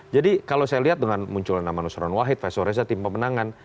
jadi kalau saya lihat dengan munculan nama nusron wahid faisal reza tim pemenangan